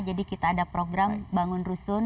jadi kita ada program bangun rusun